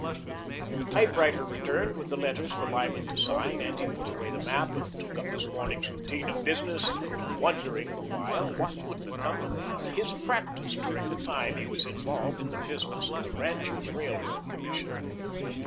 The typewriter returned with the letters for Lyman to sign, and he put away the map and took up his morning's routine of business, wondering, the while, what would become of his practice during the time he was involved in the business of the Ranchers' Railroad Commission.